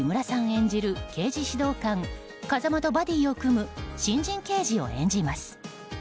演じる刑事指導官・風間とバディを組む新人刑事を演じます。